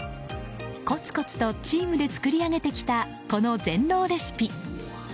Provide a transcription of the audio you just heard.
コツコツとチームで作り上げてきたこの全農レシピ。